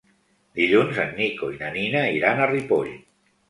Dilluns en Nico i na Nina iran a Ripoll.